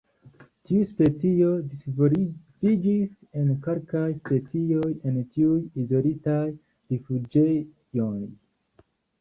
Tiu specio disvolviĝis en kelkaj specioj en tiuj izolitaj rifuĝejoj.